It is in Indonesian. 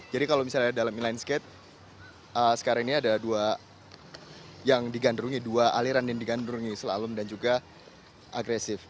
jadi kalau misalnya dalam inline skate sekarang ini ada dua yang digandrungi dua aliran yang digandrungi selalu dan juga agresif